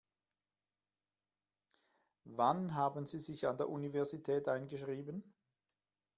Wann haben Sie sich an der Universität eingeschrieben?